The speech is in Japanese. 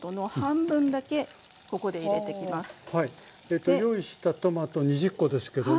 えと用意したトマト２０コですけども。